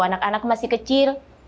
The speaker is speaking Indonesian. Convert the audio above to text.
anak anak masih kecil